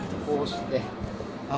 こうして。